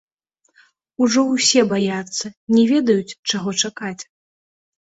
Ужо ўсе баяцца, не ведаюць, чаго чакаць.